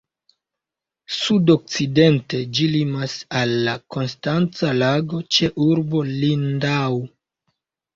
Sud-okcidente ĝi limas al la Konstanca Lago, ĉe urbo Lindau.